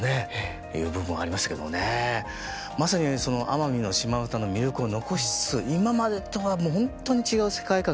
まさに奄美のシマ唄の魅力を残しつつ今までとはホントに違う世界観が生まれる。